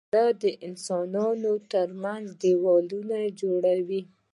جګړه د انسانانو تر منځ دیوالونه جوړوي